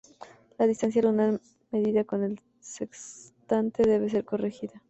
La distancia lunar medida con el sextante debe ser corregida.